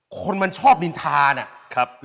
คนมันชอบนินทาน่ะ